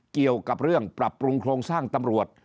เกี่ยวกับเรื่องปรับปรุงโครงสร้างตำรวจ